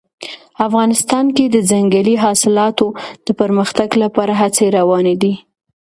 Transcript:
افغانستان کې د ځنګلي حاصلاتو د پرمختګ لپاره هڅې روانې دي.